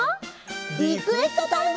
リクエストタイム！